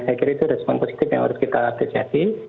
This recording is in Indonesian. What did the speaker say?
saya kira itu respon positif yang harus kita apresiasi